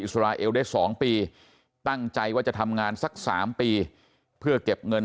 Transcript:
สราเอลได้๒ปีตั้งใจว่าจะทำงานสัก๓ปีเพื่อเก็บเงิน